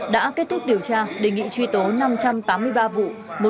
đã kết thúc điều tra đề nghị truy tố năm trăm tám mươi ba vụ